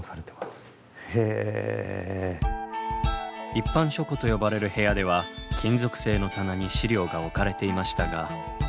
一般書庫と呼ばれる部屋では金属製の棚に資料が置かれていましたが。